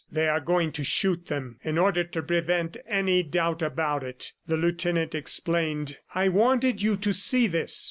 "They are going to shoot them ... in order to prevent any doubt about it," the lieutenant explained. "I wanted you to see this.